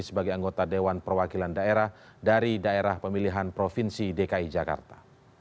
sebagai anggota dewan perwakilan daerah dari daerah pemilihan provinsi dki jakarta